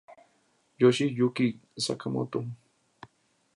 Yoshiyuki Sakamoto